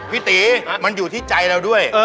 พี่ตีมันอยู่ที่ใจเราด้วย